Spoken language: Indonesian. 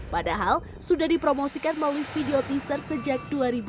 padahal sudah dipromosikan melalui video teaser sejak dua ribu enam belas